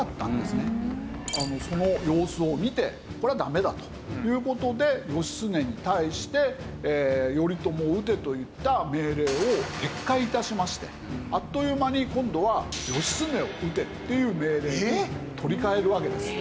その様子を見てこれはダメだという事で義経に対して頼朝を討てと言った命令を撤回致しましてあっという間に今度は義経を討てという命令に取り換えるわけです。